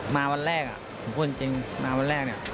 มาวันแรกผมพูดจริงมาวันแรก